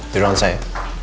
di ruangan saya